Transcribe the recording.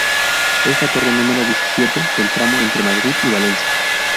Es la torre número diecisiete del tramo entre Madrid y Valencia.